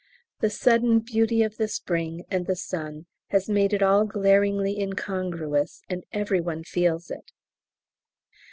The sudden beauty of the spring and the sun has made it all glaringly incongruous, and every one feels it.